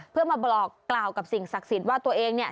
เพื่อมาบอกกล่าวกับสิ่งศักดิ์สิทธิ์ว่าตัวเองเนี่ย